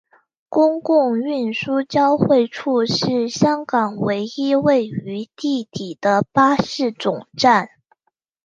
公共运输交汇处是香港唯一位于地底的巴士总站。